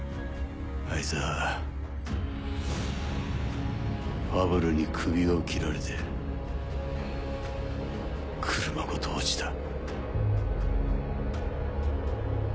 あいつはファブルに首を切られて車ごと落ちた。